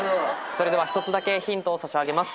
それでは一つだけヒントを差し上げます。